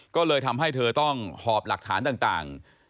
ก็เลยทำให้เธอต้องหอบหลักฐานต่าง